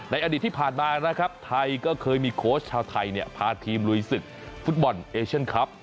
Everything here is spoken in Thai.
อดีตที่ผ่านมานะครับไทยก็เคยมีโค้ชชาวไทยพาทีมลุยศึกฟุตบอลเอเชียนคลับ